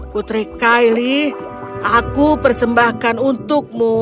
putri kylie aku persembahkan untukmu